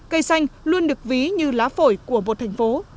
cây xanh luôn được ví như lá phổi của một thành phố